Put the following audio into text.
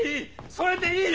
それでいいよ！